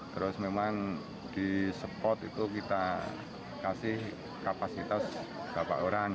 terus memang di spot itu kita kasih kapasitas berapa orang